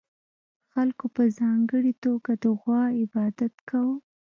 خلکو په ځانګړې توګه د غوا عبادت کاوه